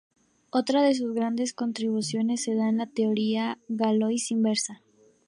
Otra de sus grandes contribuciones se da en la teoría de Galois inversa.